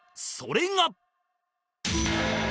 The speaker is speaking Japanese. それが